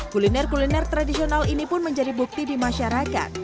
kuliner kuliner tradisional ini pun menjadi bukti di masyarakat